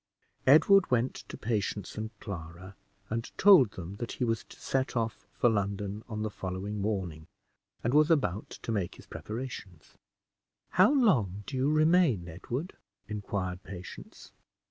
Edward went to Patience and Clara, and told them that he was to set off for London on the following morning, and was about to make his preparations. "How long do you remain, Edward?" inquired Patience.